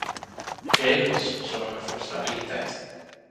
Regels zorgen voor stabiliteit.